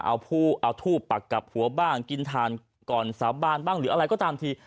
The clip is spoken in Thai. เอาทูบปักกับหัวบ้างกินทานก่อนสาบานบ้างหรืออะไรก็ตามที